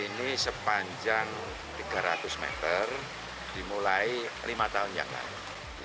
ini sepanjang tiga ratus meter dimulai lima tahun yang lalu